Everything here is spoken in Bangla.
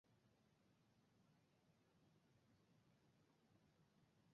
টমাস লিমেরিকের কাছে ব্রিটিশ বাহিনীর উপর আক্রমণেও অংশ নেন।